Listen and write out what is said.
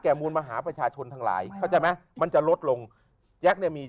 แก่มูลมหาประชาชนทั้งหลายเขาจะมั้ยมันจะลดลงแจ๊คนี่มี